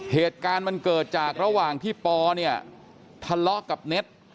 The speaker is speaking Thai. เหตุการณ์มันเกิดจากระหว่างที่ปอเนี่ยทะเลาะกับเน็ต